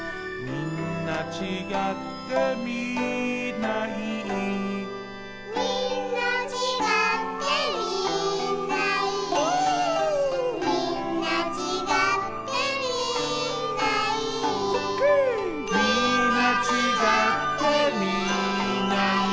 「みんなちがってみんないい」